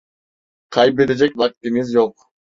Kaybedecek vaktimiz yok.